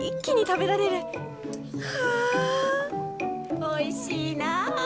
おいしいな！